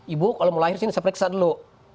ibu kalau mau lahir sini saya periksa dulu